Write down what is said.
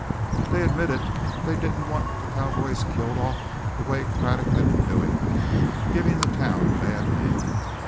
They admitted they didn't want the cowboys killed off the way Craddock had been doing it, giving the town a bad name.